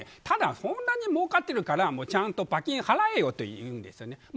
ただ、こんなにもうかってるからちゃんと罰金払えよというんですね。